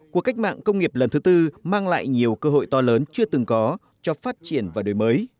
cuộc cách mạng công nghiệp lần thứ tư mang lại nhiều cơ hội to lớn chưa từng có cho phát triển và đổi mới